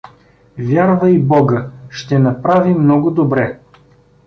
Вярвай бога, ще направи много добре.